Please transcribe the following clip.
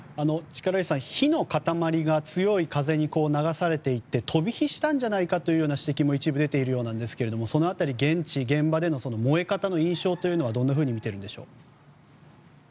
火の塊が強い風に流されて行って飛び火したんじゃないかという指摘も一部で出ているんですがその辺り、現地・現場での燃え方の印象はどんなふうに見ているんでしょう。